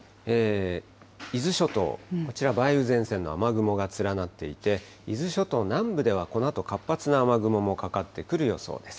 伊豆諸島、こちら、梅雨前線の雨雲が連なっていて、伊豆諸島南部ではこのあと、活発な雨雲もかかってくる予想です。